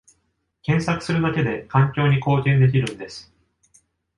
検索するだけで環境に貢献できるんです